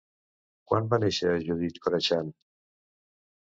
Quan va néixer Judith Corachán?